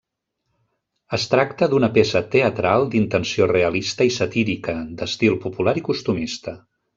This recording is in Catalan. Es tracta d'una peça teatral d'intenció realista i satírica d'estil popular i costumista.